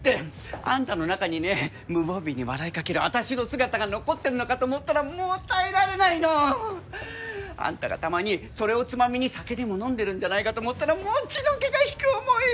あんたの中にね無防備に笑いかけるあたしの姿が残ってんのかと思ったらもう耐えられないの！あんたがたまにそれをつまみに酒でも飲んでるんじゃないかと思ったらもう血の気が引く思いよ！